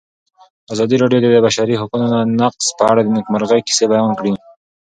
ازادي راډیو د د بشري حقونو نقض په اړه د نېکمرغۍ کیسې بیان کړې.